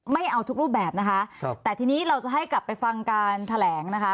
ไม่เอาทุกรูปแบบนะคะครับแต่ทีนี้เราจะให้กลับไปฟังการแถลงนะคะ